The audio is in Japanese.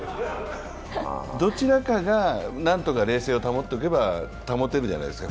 どちらかがなんとか冷静を保っとけば保てるじゃないですか。